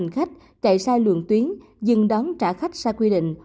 khách chạy sai lường tuyến dừng đón trả khách xa quy định